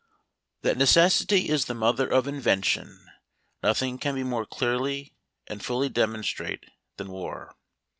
A TORPEDO. ^ HAT " necessity is the mother of invention " nothing can more clearly and fully demonstrate than war.